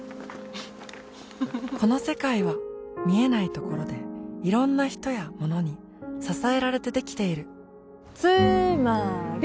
この世界は見えないところでいろんな人やものに支えられてできているつーまーり！